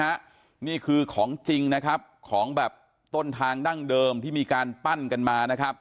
อันนี้คือของจริงของต้นทางดั่งเดิมที่มีการปั้นกันมา